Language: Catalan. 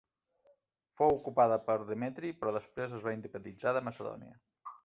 Fou ocupada per Demetri però després es va independitzar de Macedònia.